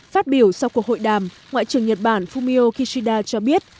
phát biểu sau cuộc hội đàm ngoại trưởng nhật bản fumio kishida cho biết